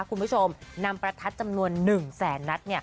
คุณผู้ชมนำประทัดจำนวน๑แสนนัด